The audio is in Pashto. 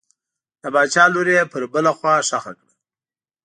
د باچا لور یې پر بله خوا ښخه کړه.